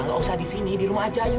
nggak usah di sini di rumah aja ayo